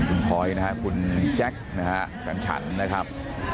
คุณพลอยนะฮะคุณแจ็คนะฮะแฟนฉันนะครับ